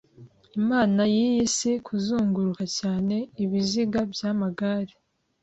Imana yiyi si kuzunguruka cyane ibiziga byamagare